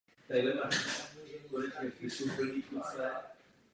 Region je významný díky papírenskému průmyslu a těžbě lithia.